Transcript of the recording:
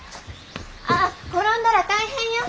ああっ転んだら大変よ！